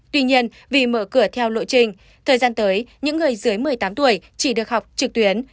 tuy nhiên vì mở cửa theo lộ trình thời gian tới những người dưới một mươi tám tuổi chỉ được học trực tuyến